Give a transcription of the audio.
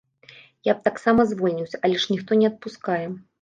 Я б таксама звольніўся, але ж ніхто не адпускае.